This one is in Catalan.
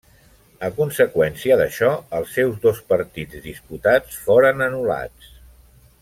A conseqüència d'això els seus dos partits disputats foren anul·lats.